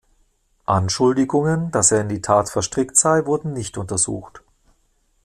Anschuldigungen, dass er in die Tat verstrickt sei, wurden nicht untersucht.